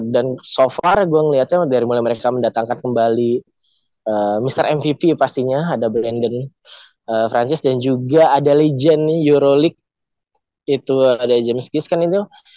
dan so far gue ngelihatnya dari mulai mereka mendatangkan kembali mr mvp pastinya ada brandon francis dan juga ada legend euroleague itu ada james giskan itu